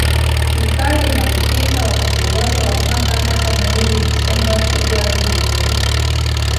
Hifadhi inafikika wakati wote wa mwaka hasa mwezi disemba februari na mei